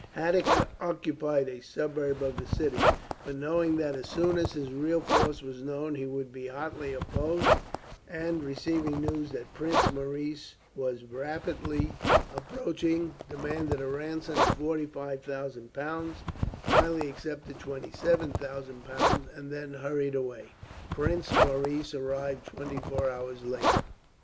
Haddick occupied a suburb of the city, but knowing that as soon as his real force was known he would be hotly opposed, and receiving news that Prince Maurice was rapidly approaching, demanded a ransom of 45,000 pounds; and finally accepted 27,000 pounds, and then hurried away. Prince Maurice arrived twenty four hours later.